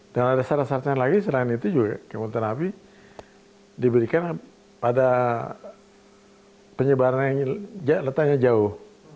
dan ada salah satunya lagi selain itu juga kemoterapi diberikan pada penyebaran yang letaknya jauh